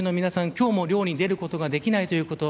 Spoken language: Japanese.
今日も漁に出ることができないということ。